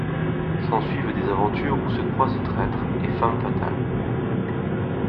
S'ensuivent des aventures où se croisent traîtres et femmes fatales...